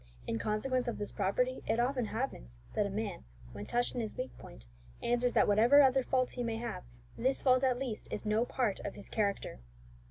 In consequence of this property, it often happens that a man, when touched in his weak point, answers that whatever other faults he may have, this fault, at least, is no part of his character.'"